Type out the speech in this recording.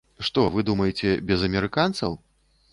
Што, вы думаеце, без амерыканцаў?